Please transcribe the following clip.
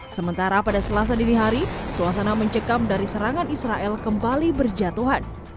sementara pada selasa dini hari suasana mencekam dari serangan israel kembali berjatuhan